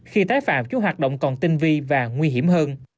khi tái phạm chủ hoạt động còn tinh vi và nguy hiểm hơn